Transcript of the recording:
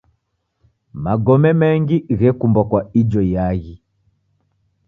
Magome mengi ghekumbwa kwa ijo iaghi.